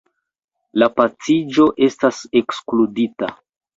La paciĝo estas ekskludita.